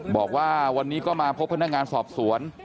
บอกว่าวันนี้ก็มาพบพนักงานสอบสวน